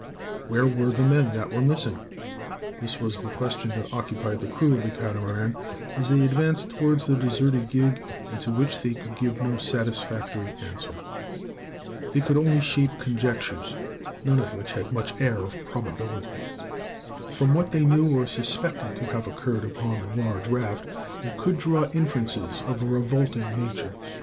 Where were the men that were missing? This was the question that occupied the crew of the Catamaran, as they advanced towards the deserted gig and to which they could give no satisfactory answer. They could only shape conjectures, none of which had much air of probability. From what they knew or suspected to have occurred upon the large raft they could draw inferences of a revolting nature.